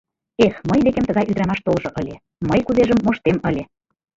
Эх, мый декем тыгай ӱдырамаш толжо ыле, мый кузежым моштем ыле.